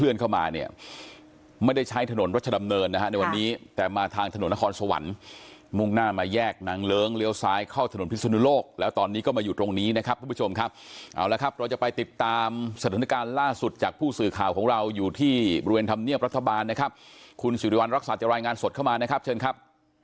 เอาละครับเราจะไปติดตามสถานการณ์ล่าสุดจากผู้สื่อข่าวของเราอยู่ที่บริเวณธรรมเนียบรัฐบาลนะครับคุณสิริวัณรักษาเจ้ารายงานสดเข้ามานะครับเชิญครับ